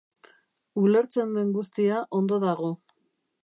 Ulertzen den guztia ondo dago.